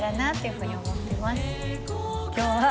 今日は。